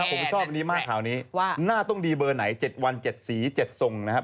ผมชอบอันนี้มากข่าวนี้ว่าหน้าต้องดีเบอร์ไหน๗วัน๗สี๗ทรงนะครับ